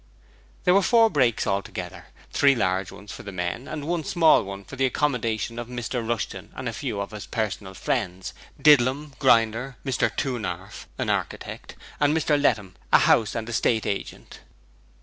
There were four brakes altogether three large ones for the men and one small one for the accommodation of Mr Rushton and a few of his personal friends, Didlum, Grinder, Mr Toonarf, an architect and Mr Lettum, a house and estate Agent.